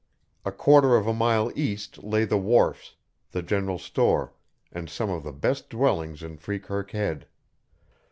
A quarter of a mile east lay the wharfs, the general store, and some of the best dwellings in Freekirk Head.